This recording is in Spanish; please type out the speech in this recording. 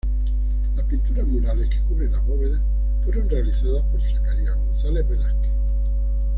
Las pinturas murales que cubren las bóvedas fueron realizadas por Zacarías González Velázquez.